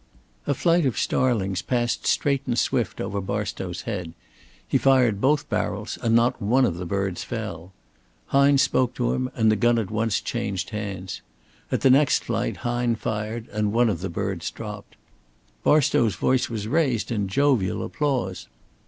A flight of starlings passed straight and swift over Barstow's head. He fired both barrels and not one of the birds fell. Hine spoke to him, and the gun at once changed hands. At the next flight Hine fired and one of the birds dropped. Barstow's voice was raised in jovial applause.